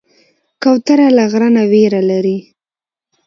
کوتره له غره نه ویره لري.